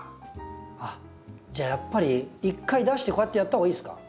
あっじゃあやっぱり一回出してこうやってやった方がいいですか？